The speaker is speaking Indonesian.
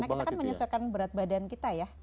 karena kita kan menyesuaikan berat badan kita ya